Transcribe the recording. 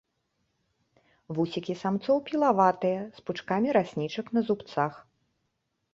Вусікі самцоў пілаватыя, з пучкамі раснічак на зубцах.